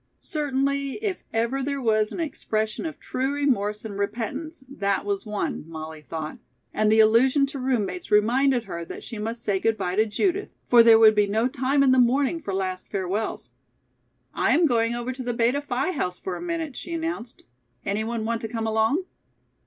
Certainly, if ever there was an expression of true remorse and repentance, that was one, Molly thought, and the allusion to roommates reminded her that she must say good bye to Judith, for there would be no time in the morning for last farewells. "I am going over to the Beta Phi house for a minute," she announced. "Any one want to come along?"